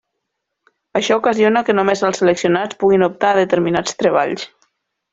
Això ocasiona que només els seleccionats puguin optar a determinats treballs.